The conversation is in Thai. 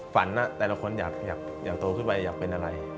แต่ละคนอยากโตขึ้นไปอยากเป็นอะไร